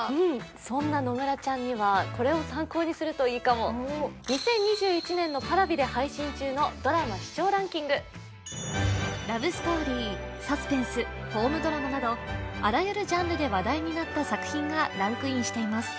そんな野村ちゃんにはこれを参考にするといいかも２０２１年のＰａｒａｖｉで配信中のドラマ視聴ランキングラブストーリーサスペンスホームドラマなどあらゆるジャンルで話題になった作品がランクインしています